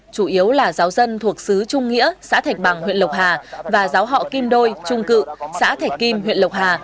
chủ yếu là giáo dân thuộc sứ trung nghĩa xã thạch bằng huyện lộc hà và giáo họ kim đôi trung cự xã thạch kim huyện lộc hà